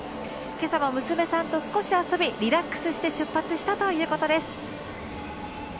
今朝は娘さんと少し遊びリラックスして出発したということです。